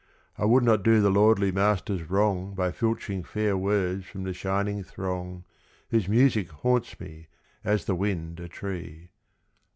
I would not do the lordly masters wrong By filching fair words from the shining throng Whose music haunts me as the wind a tree.